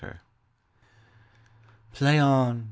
]PLAY on!